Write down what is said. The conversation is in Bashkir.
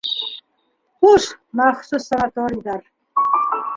Хуш, махсус санаторийҙар!